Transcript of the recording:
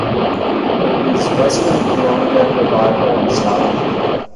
It is "western colonial revival" in style.